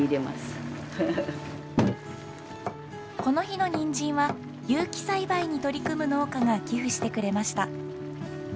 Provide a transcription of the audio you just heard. この日のニンジンは有機栽培に取り組む農家が寄付してくれました。